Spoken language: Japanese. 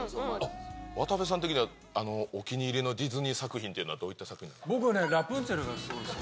渡部さん的にはお気に入りのディズニー作品というのは、どういった作品ですか。